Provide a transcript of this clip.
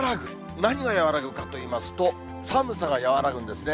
何が和らぐかといいますと、寒さが和らぐんですね。